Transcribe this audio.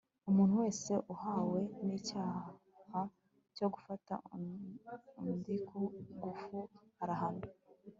umuntu wese uhamwe n'icyaha cyo gufata undiku ngufu arahanwa